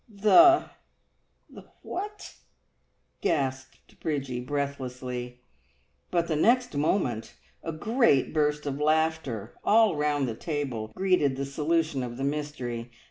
"The the what?" gasped Bridgie breathlessly. But the next moment a great burst of laughter all round the table greeted the solution of the mystery.